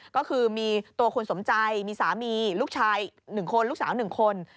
ก็คือมีตัวคุณสมใจมีสามีลูกชาย๑คนลูกสาว๑คน